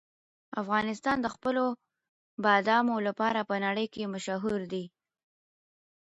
افغانستان د خپلو بادامو لپاره په نړۍ کې مشهور دی.